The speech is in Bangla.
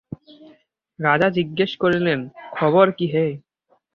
রাজা জিজ্ঞাসা করিলেন, খবর কী হে?